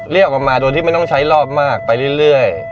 ออกมาโดยที่ไม่ต้องใช้รอบมากไปเรื่อย